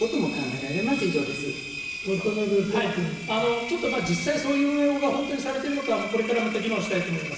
ちょっと実際そういう運営法が本当にされているのか、これからまた議論したいと思います。